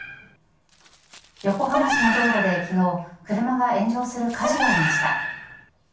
横浜市の道路で昨日車が炎上する火事がありました。